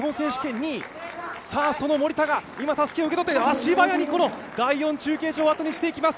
その森田が今、たすきを受け取って足早に第４中継所をあとにしていきます。